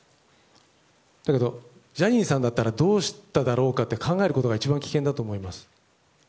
だけど、ジャニーさんだったらどうしただろうかと考えることが一番危険だと思います。